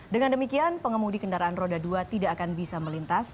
dengan demikian pengemudi kendaraan roda dua tidak akan bisa melintas